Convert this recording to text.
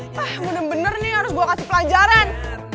jadi saya harus beri pelajaran